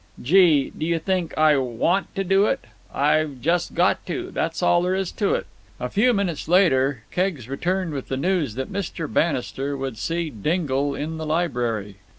"Gee! Do you think I want to do it? I've just got to. That's all there is to it." A few moments later Keggs returned with the news that Mr. Bannister would see Dingle in the library.